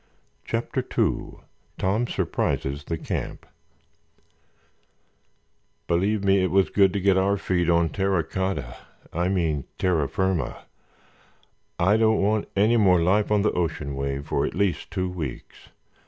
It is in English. CHAPTER II TOM SURPRISES THE CAMP "Believe me, it was good to get our feet on terra cotta—I mean terra firma. I don't want any more life on the ocean wave for at least two weeks.